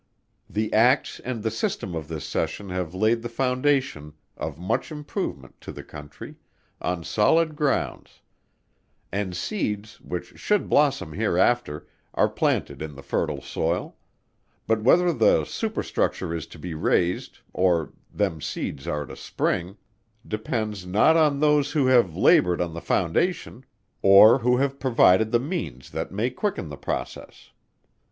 The Acts and the system of this Session have laid the foundation of much improvement to the country, on solid grounds; and seeds which should blossom hereafter, are planted in the fertile soil; but whether the superstructure is to be raised, or them seeds are to spring, depends not on those who have laboured on the foundation, or who have provided the means that may quicken the process.